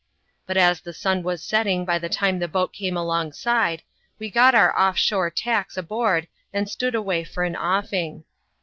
Bnt as the sun was setting by the time the boat came alon^ ade, we got our off shore tacks aboard and stood away for an offing.